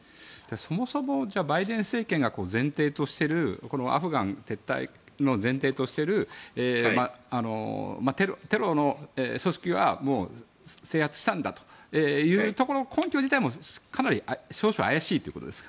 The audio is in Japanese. そもそもバイデン政権が前提としているアフガン撤退の前提としているテロ組織はもう制圧したんだという根拠自体も少々怪しいということすか。